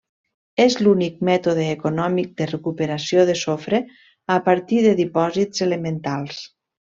És l'únic mètode econòmic de recuperació de sofre a partir de dipòsits elementals.